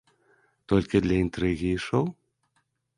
Толькі для інтрыгі і шоў?